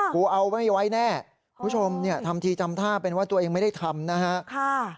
กูเอาไม่ไว้แน่คุณโชมทำทีจำท่าเป็นว่าตัวเองไม่ได้ทำนะครับ